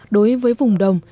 đối với vùng đồng